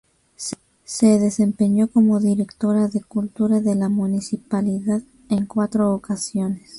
Se desempeñó como directora de Cultura de la Municipalidad, en cuatro ocasiones.